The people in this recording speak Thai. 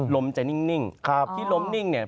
ลมจะนิ่งที่ล้มนิ่งเนี่ย